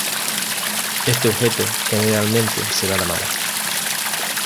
Este objeto generalmente será la madre.